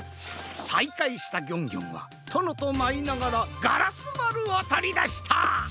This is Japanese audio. さいかいしたギョンギョンはとのとまいながらガラスまるをとりだした！